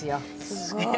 すごい！